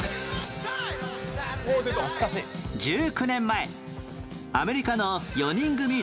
１９年前アメリカの４人組